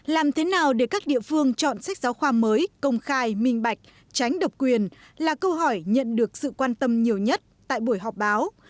làm thế nào để các địa phương chọn sách giáo khoa mới công khai minh bạch tránh độc quyền là câu hỏi nhận được sự quan tâm nhiều nhất tại buổi họp báo